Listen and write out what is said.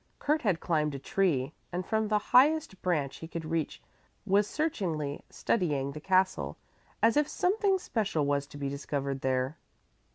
Kurt had climbed a tree and from the highest branch he could reach was searchingly studying the castle, as if something special was to be discovered there.